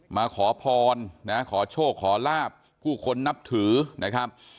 มาขอพรนะขอโชคขอลาบผู้คนนับถือนะครับ